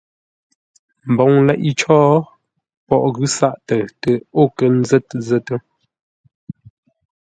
Mboŋ leʼé cǒ, poghʼ ghʉ̌ sáʼ təʉ tə o kə́ zə̂t zə̂t.